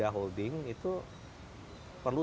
holding itu perlu